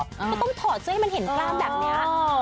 ก็ต้องถอดเสื้อให้มันเห็นกล้ามแบบนี้